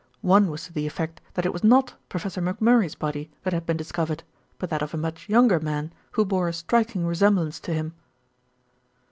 One was to the effect that it was not Professor McMurray's body that had been discovered; but that of a much younger man who bore a striking resemblance to him.